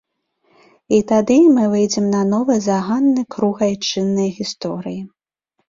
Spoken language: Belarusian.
І тады мы выйдзем на новы заганны круг айчыннай гісторыі.